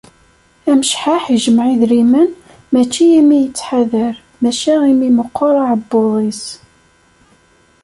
Amecḥaḥ ijemmeε idrimen mačči imi yettḥadar, maca imi meqqer aεebbuḍ-is.